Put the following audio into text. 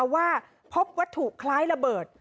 ว่าพบวัตถุคล้ายระเบิด